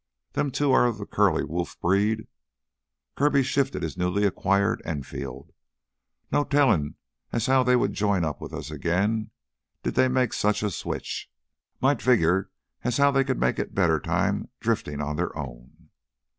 "Them two are of the curly wolf breed." Kirby shifted his newly acquired Enfield. "No tellin' as how they would join up with us again did they make such a switch; might figure as how they could make it better time driftin' on their own."